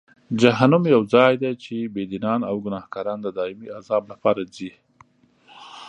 جهنم یو ځای دی چې بېدینان او ګناهکاران د دایمي عذاب لپاره ځي.